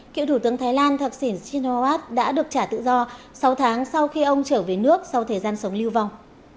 kiệu thủ tướng thái lan thạc sỉn sinh hoa bát đã được trả tự do sáu tháng sau khi ông trở về nước sau thời gian sống lưu vòng